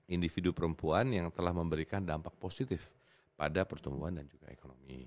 individu perempuan yang telah memberikan dampak positif pada pertumbuhan dan juga ekonomi